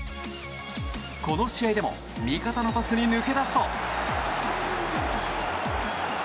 この試合でも味方のパスに抜け出すと。